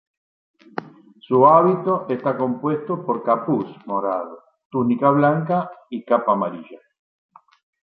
Su hábito está compuesto por capuz morado, túnica blanca y capa amarilla.